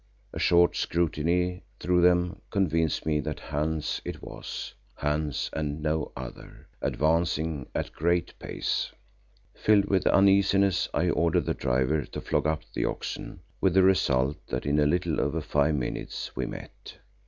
A short scrutiny through them convinced me that Hans it was, Hans and no other, advancing at a great pace. Filled with uneasiness, I ordered the driver to flog up the oxen, with the result that in a little over five minutes we met.